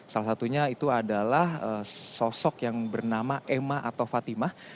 salah satunya itu adalah sosok yang bernama emma atau fatimah